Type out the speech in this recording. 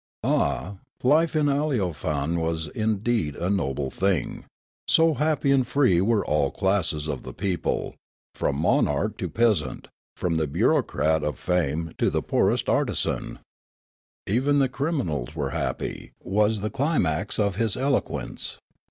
Ah, life in Aleofane was indeed a noble thing, so happy and free were all classes of the people, from monarch to peasant, from the bureaucrat of fame to the poorest artisan ! I lo Riallaro " Even the criminals were happy " was the climax of his eloquence.